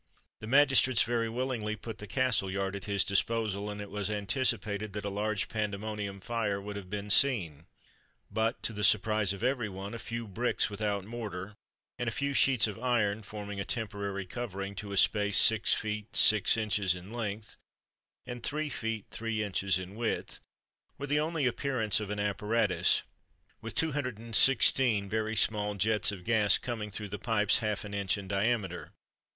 The magistrates very willingly put the castle yard at his disposal, and it was anticipated that a large Pandemonium fire would have been seen; but, to the surprise of every one, a few bricks, without mortar, and a few sheets of iron, forming a temporary covering to a space six feet six inches in length, and three feet three inches in width, were the only appearance of an apparatus, with two hundred and sixteen very small jets of gas coming through pipes half an inch in diameter.